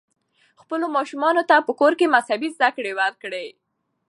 خپلو ماشومانو ته په کور کې مذهبي زده کړې ورکړئ.